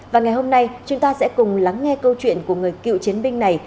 và ngày hôm nay chúng ta sẽ cùng lắng nghe câu chuyện của người cựu chiến binh này